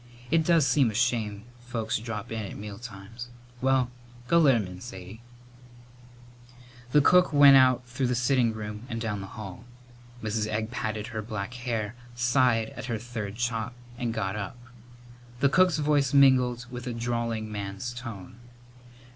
It does seem a shame folks drop in at mealtimes. Well, go let him in Sadie." The cook went out through the sitting room and down the hall. Mrs. Egg patted her black hair, sighed at her third chop and got up. The cook's voice mingled with a drawling man's tone.